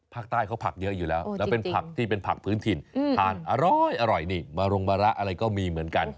ภาคใต้เขาผักเยอะอยู่แล้วแล้วเป็นผักที่เป็นผักพื้นถิ่นทานอร้อยนี่มารงมะระอะไรก็มีเหมือนกัน